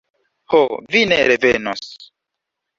Ho, vi ne revenos...